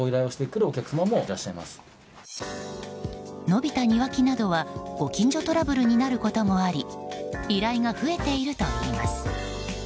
伸びた庭木などはご近所トラブルになることもあり依頼が増えているといいます。